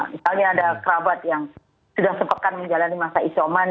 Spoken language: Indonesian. misalnya ada kerabat yang sudah sepekan menjalani masa isoman